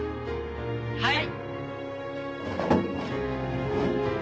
はい！